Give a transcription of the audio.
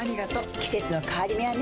季節の変わり目はねうん。